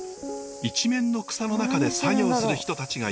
一面の草の中で作業する人たちがいました。